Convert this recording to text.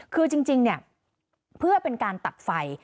คือจริงเนี่ยเพื่อเป็นการตัดไฟ